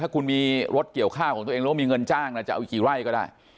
ถ้าคุณมีรถเกี่ยวข้าวของตัวเองหรือว่ามีเงินจ้างจะเอาอีกกี่ไร่ก็ได้